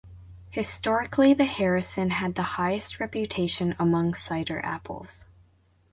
Historically the Harrison had the highest reputation among cider apples.